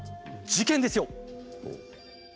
事件ですよ。